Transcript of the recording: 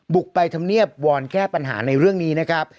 บุกไปทำเนียบวอนแก้ปัญหาในเรื่องนี้นะครับ